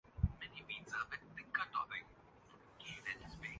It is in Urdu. اس سطح کا تعامل نہیں کر رہا اس وقت